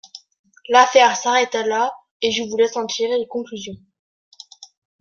L’affaire s’arrêta là et je vous laisse en tirer les conclusions.